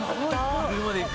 車で行く？